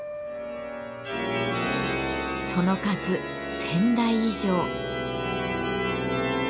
その数１，０００台以上。